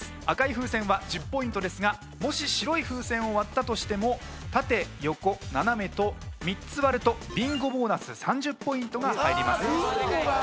赤い風船は１０ポイントですがもし白い風船を割ったとしても縦横斜めと３つ割るとビンゴボーナス３０ポイントが入ります。